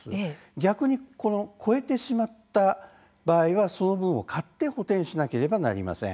逆に超えてしまった場合はその分を買って補填しなければなりません。